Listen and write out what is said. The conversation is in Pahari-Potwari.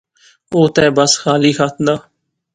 او تہ بس خالی ہتھ دا